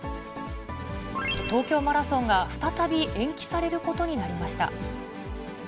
東京マラソンが再び延期されることになりました。